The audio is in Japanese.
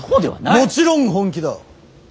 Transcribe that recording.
もちろん本気だ。